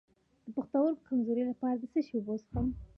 د پښتورګو د کمزوری لپاره د څه شي اوبه وڅښم؟